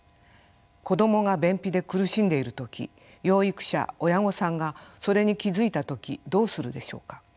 子どもが便秘で苦しんでいる時養育者親御さんがそれに気付いた時どうするでしょうか。